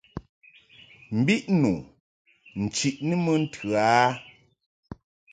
Bɨʼnu chiʼni mɨ ntɨ a.